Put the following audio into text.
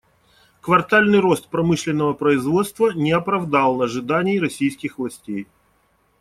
Квартальный рост промышленного производства не оправдал ожиданий российских властей.